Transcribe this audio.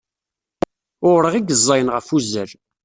Uṛeɣ i yeẓẓayen ɣef wuzzal.